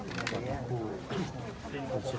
เพื่อมีหน่วยแข่งพูด